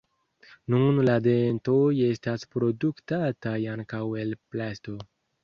Nun la dentoj estas produktataj ankaŭ el plasto.